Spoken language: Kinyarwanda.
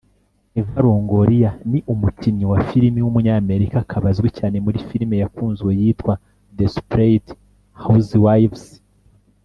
Eva Longoria ni umukinnyi wa filmi w’umunyamerika akaba azwi cyane muri filimi yakunzwe yitwa Desperate Housewives